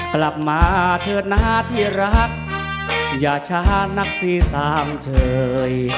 กลับมาเถิดหน้าที่รักอย่าช้านักสีตามเฉย